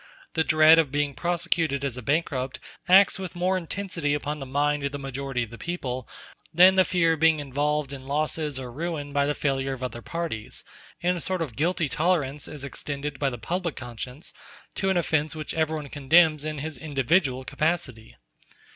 The dread of being prosecuted as a bankrupt acts with more intensity upon the mind of the majority of the people than the fear of being involved in losses or ruin by the failure of other parties, and a sort of guilty tolerance is extended by the public conscience to an offence which everyone condemns in his individual capacity.